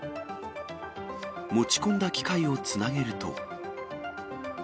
持ち込んだ機械をつなげると。